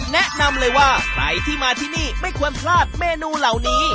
แนะนำเลยว่าใครที่มาที่นี่ไม่ควรพลาดเมนูเหล่านี้